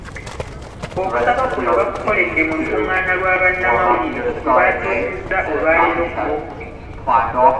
Okusaba kuno bakukoledde mu lukung’aana lwa bannamawulire lwe batuuzizza olwaleero ku Lwokubiri.